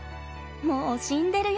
もう死んでるよ。